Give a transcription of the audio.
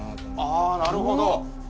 あぁなるほど。